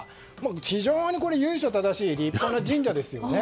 非常に由緒正しい立派な神社ですよね。